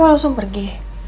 kamu langsung pergi